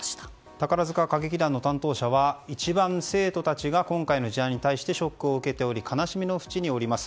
宝塚歌劇団の担当者は一番、生徒たちが今回の事案に対してショックを受けており悲しみの淵におります。